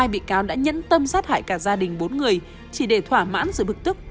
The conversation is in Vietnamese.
hai bị cáo đã nhẫn tâm sát hại cả gia đình bốn người chỉ để thỏa mãn sự bực tức